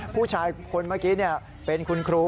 ผู้ชายคนเมื่อกี้เป็นคุณครู